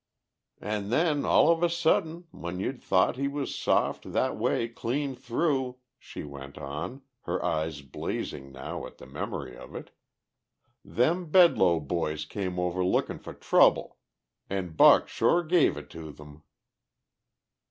"And then, all of a sudden, when you'd have thought he was soft that way clean through," she went on, her eyes blazing now at the memory of it, "them Bedloe boys come over lookin' for trouble. An' Buck sure gave it to them!"